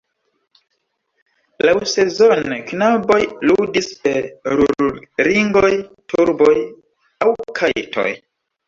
Laŭsezone, knaboj ludis per rulringoj, turboj aŭ kajtoj.